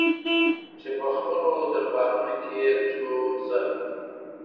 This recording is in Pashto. چې په خپلو دربارونو کې يې څو زره